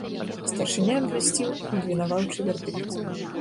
Старшыня абвясціў абвінаваўчы вердыкт.